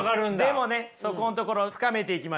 でもねそこんところ深めていきましょうよ。